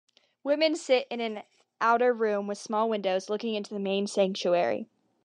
Women sit in an outer room with small windows looking into the main sanctuary.